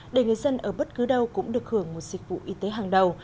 để người dân ở bất cứ đâu cũng được hưởng một dịch vụ y tế hàng đầu